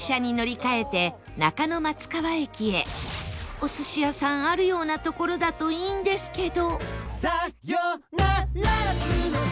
お寿司屋さんあるような所だといいんですけど